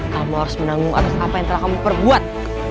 kamu harus menanggung atas apa yang telah kamu perbuat